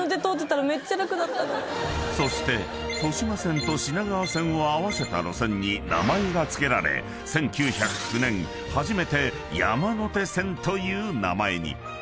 ［そして豊島線と品川線を合わせた路線に名前が付けられ１９０９年初めて山手線という名前に］